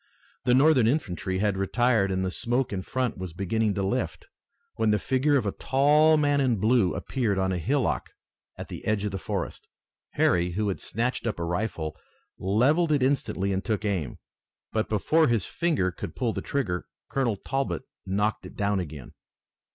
The Northern infantry had retired and the smoke in front was beginning to lift, when the figure of a tall man in blue appeared on a hillock at the edge of the forest. Harry, who had snatched up a rifle, levelled it instantly and took aim. But before his finger could pull the trigger Colonel Talbot knocked it down again.